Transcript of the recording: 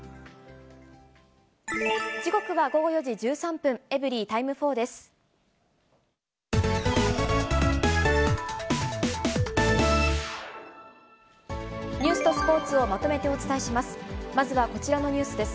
時刻は午後４時１３分、エブリィタイム４です。